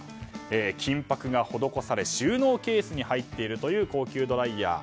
金箔が施され収納ケースに入っているという高級ドライヤー。